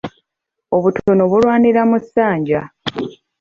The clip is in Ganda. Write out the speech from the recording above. Obutono bulwanira mu ssanja.